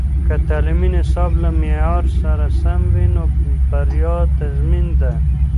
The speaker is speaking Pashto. که تعلیمي نصاب له معیار سره سم وي، نو بریا تضمین ده.